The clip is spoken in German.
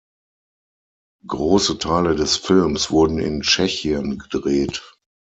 Große Teile des Films wurden in Tschechien gedreht.